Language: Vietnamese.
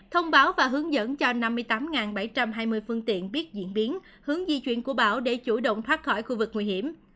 thông báo và hướng dẫn cho năm mươi tám bảy trăm hai mươi phương tiện biết diễn biến hướng di chuyển của bão để chủ động thoát khỏi khu vực nguy hiểm